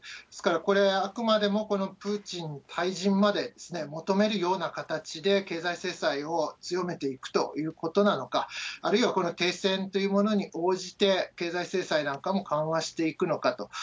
ですから、これ、あくまでもこのプーチン退陣まで求めるような形で経済制裁を強めていくということなのか、あるいはこの停戦というものに応じて、経済制裁なんかも緩和していくのかと。